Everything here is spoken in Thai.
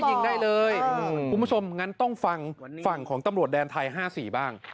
ยิงได้เลยคุณผู้ชมงั้นต้องฟังฝั่งของตำรวจแดนไทย๕๔บ้าง